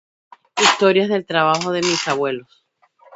Historias del trabajo de mis abuelos.